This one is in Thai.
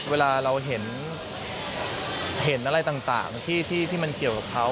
เวลาเราเห็นอะไรต่างที่มันเกี่ยวกับเขา